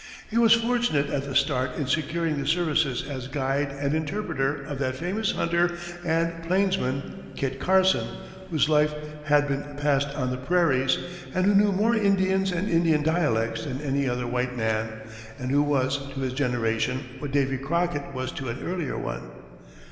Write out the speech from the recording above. He was fortunate at the start in securing the services as guide and interpreter of that famous hunter and plainsman, Kit Carson, whose life had been passed on the prairies, who knew more Indians and Indian dialects than any other white man, and who was, to his generation, what Davy Crockett was to an earlier one.